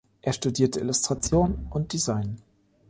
Er studierte Illustration und Design.